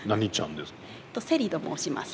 セリと申します。